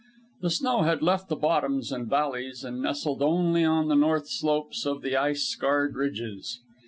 The snow had left the bottoms and valleys and nestled only on the north slopes of the ice scarred ridges.